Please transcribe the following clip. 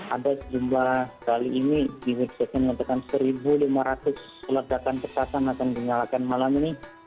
ada sejumlah kali ini di websiteknya mengatakan satu lima ratus peledakan petasan akan dinyalakan malam ini